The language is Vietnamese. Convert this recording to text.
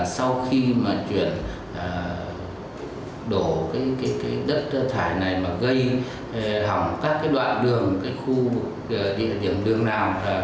sau khi chuyển đổ đất thải này gây hỏng các đoạn đường khu địa điểm đường nào